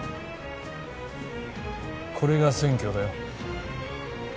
これが選挙だよ。